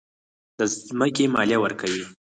د ځمکې مالیه ورکوئ؟